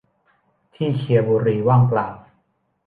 ที่เขี่ยบุหรี่ว่างเปล่า